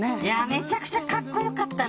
めちゃくちゃかっこよかった。